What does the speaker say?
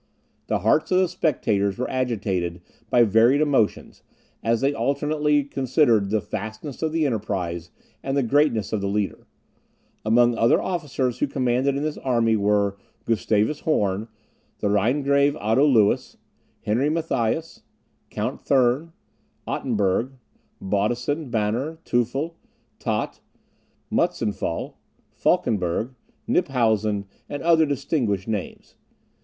The hearts of the spectators were agitated by varied emotions, as they alternately considered the vastness of the enterprise, and the greatness of the leader. Among the superior officers who commanded in this army were Gustavus Horn, the Rhinegrave Otto Lewis, Henry Matthias, Count Thurn, Ottenberg, Baudissen, Banner, Teufel, Tott, Mutsenfahl, Falkenberg, Kniphausen, and other distinguished names.